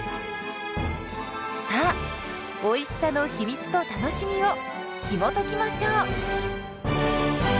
さあおいしさの秘密と楽しみをひもときましょう！